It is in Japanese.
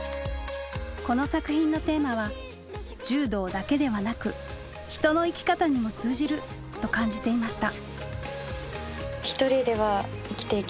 この作品のテーマは柔道だけではなく人の生き方にも通じると感じていました。